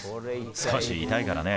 少し痛いからね。